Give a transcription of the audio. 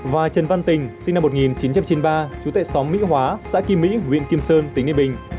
và trần văn tình sinh năm một nghìn chín trăm chín mươi ba chú tệ xóm mỹ hóa xã kim mỹ huyện kim sơn tỉnh nghệ bình